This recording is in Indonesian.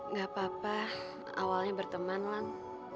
gak apa apa awalnya berteman lang